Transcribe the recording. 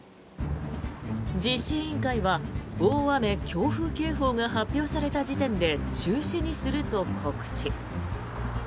実施委員会は大雨・強風警報が発表された時点で中止にすると告知。